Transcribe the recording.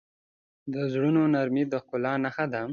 د زړونو نرمي د ښکلا نښه ده.